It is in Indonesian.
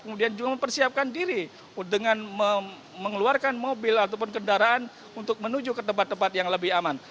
kemudian juga mempersiapkan diri dengan mengeluarkan mobil ataupun kendaraan untuk menuju ke tempat tempat yang lebih aman